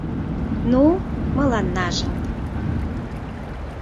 — Ну, мыланна жап!